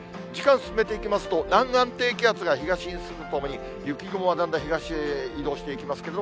時間進めていきますと、南岸低気圧が東に進むとともに、雪雲がだんだん東へ移動していきます